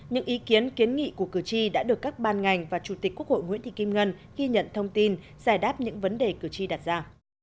những ý kiến kiến nghị của cử tri đã được các ban ngành và chủ tịch quốc hội nguyễn thị kim ngân ghi nhận thông tin giải đáp những vấn đề cử tri đặt ra